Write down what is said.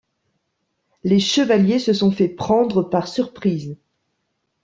Les chevaliers se sont fait prendre par surprise.